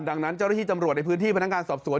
ดังนั้นเจ้าหน้าที่ตำรวจในพื้นที่พนักงานสอบสวน